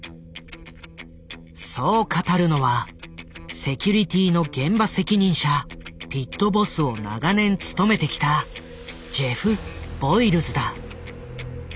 そう語るのはセキュリティの現場責任者ピットボスを長年務めてきたジェフ・ボイルズだ。